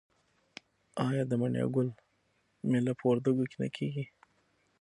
آیا د مڼې ګل میله په وردګو کې نه کیږي؟